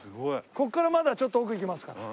ここからまだちょっと奥行きますから。